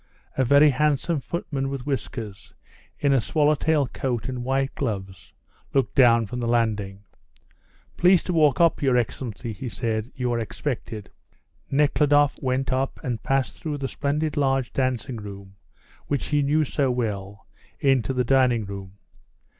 A very handsome footman with whiskers, in a swallow tail coat and white gloves, looked down from the landing. "Please to walk up, your excellency," he said. "You are expected." Nekhludoff went up and passed through the splendid large dancing room, which he knew so well, into the dining room.